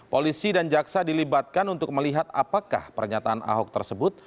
polisi dan jaksa dilibatkan untuk melihat apakah pernyataan ahok tersebut